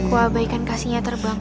ku abaikan kasihnya terbangkanmu